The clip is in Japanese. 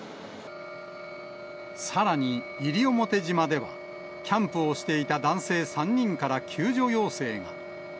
さらに、西表島では、キャンプをしていた男性３人から救助要請が。